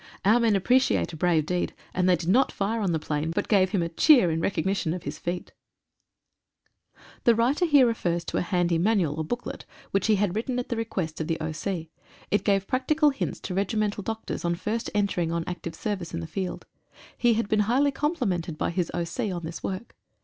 Our men appreciate a brave deed, and they did not fire on the plane, but gave him a cheer in recognition of his feat. 314 WAITING FOR THE SIGNAL. (The writer here refers to a handy manual, or book let, which he had written at the request of the O.C. It gave practical hints to regimental doctors on first entering on active service in the field. He had been highly complimented by his O.C. on this work.